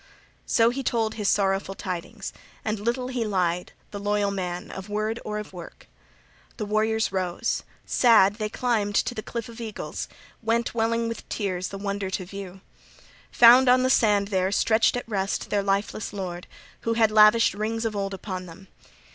So he told his sorrowful tidings, and little {39d} he lied, the loyal man of word or of work. The warriors rose; sad, they climbed to the Cliff of Eagles, went, welling with tears, the wonder to view. Found on the sand there, stretched at rest, their lifeless lord, who had lavished rings of old upon them.